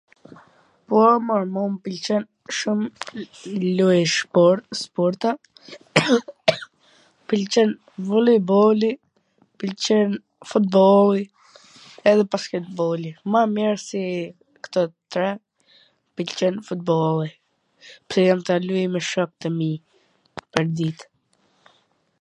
po, mor, mu m pwlqen shum loj e shportws sporta, pwlqen volejboli, pwlqen fotboli edhe basketboli, ma mir si kto tre pwlqen futboli, pse jam ta luj me shokt e mi pwrdit.